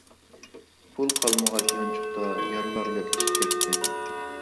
پۇل قالمىغاچ يانچۇقتا، يارلار ياتلىشىپ كەتتى.